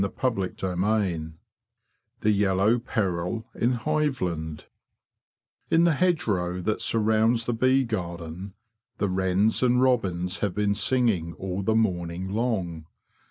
CHAPTER XXIV THE YELLOW PERIL IN HIVELAND I the hedgerow that surrounds the bee garden the wrens and robins have been singing all the morning long.